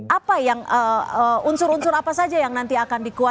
apa yang unsur unsur apa saja yang nanti akan dikeluarkan